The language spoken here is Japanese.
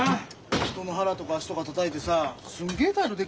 人の腹とか足とかたたいてさすんげえ態度でけえんだよな。